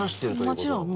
もちろん。